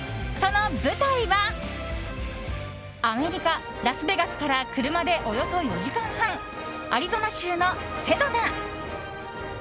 その舞台はアメリカ・ラスベガスから車でおよそ４時間半アリゾナ州のセドナ。